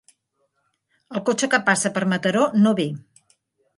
El cotxe que passa per Mataró no ve.